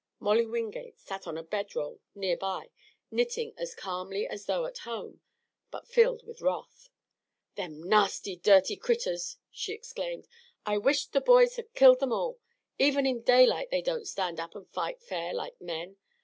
Molly Wingate sat on a bed roll near by, knitting as calmly as though at home, but filled with wrath. "Them nasty, dirty critters!" she exclaimed. "I wish't the boys had killed them all. Even in daylight they don't stand up and fight fair like men.